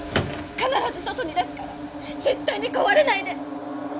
必ず外に出すから絶対に壊れないで！